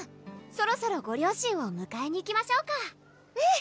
そろそろご両親をむかえに行きましょうかうん！